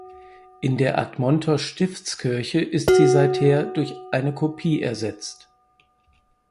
In der Admonter Stiftskirche ist sie seither durch eine Kopie ersetzt.